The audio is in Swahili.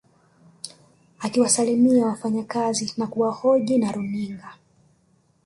Akiwasalimia wafanyakazi na kuhojiwa na runinga